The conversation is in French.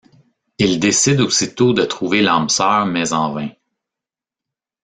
Il décide aussitôt de trouver l'âme sœur mais en vain.